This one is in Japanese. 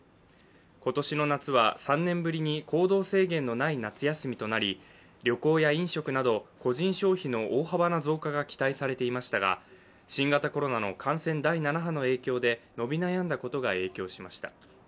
今年の夏は３年ぶりに行動制限のない夏休みとなり旅行や飲食など個人消費の大幅な増加が期待されていましたが新型コロナの感染第７波の影響で伸び悩んだことが影響しました。